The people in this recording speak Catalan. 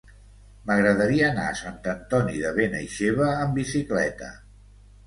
M'agradaria anar a Sant Antoni de Benaixeve amb bicicleta.